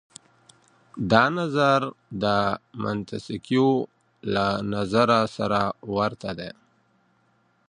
دا نظر د منتسکيو له نظره سره ورته دی.